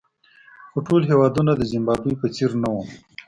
خو ټول هېوادونه د زیمبابوې په څېر نه وو.